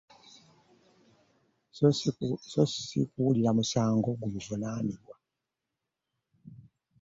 So si kuwulira musango gumuvunaanibwa.